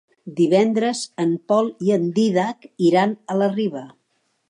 Divendres en Pol i en Dídac iran a la Riba.